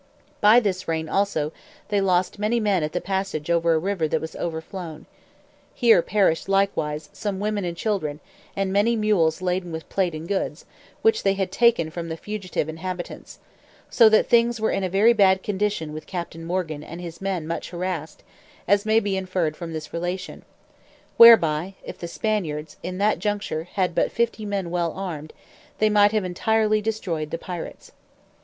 By this rain, also, they lost many men at the passage over a river that was overflown: here perished, likewise, some women and children, and many mules laden with plate and goods, which they had taken from the fugitive inhabitants; so that things were in a very bad condition with Captain Morgan, and his men much harassed, as may be inferred from this relation: whereby, if the Spaniards, in that juncture, had had but fifty men well armed, they might have entirely destroyed the pirates.